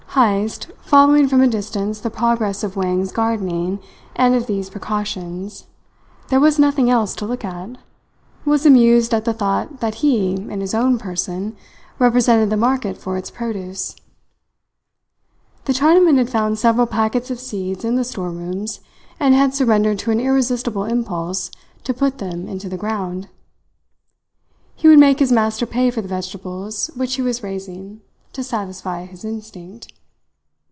Heyst, following from a distance the progress of Wang's gardening and of these precautions there was nothing else to look at was amused at the thought that he, in his own person, represented the market for its produce. The Chinaman had found several packets of seeds in the store rooms, and had surrendered to an irresistible impulse to put them into the ground. He would make his master pay for the vegetables which he was raising to satisfy his instinct.